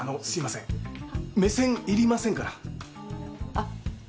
あっ。